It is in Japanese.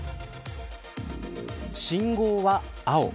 信号は青。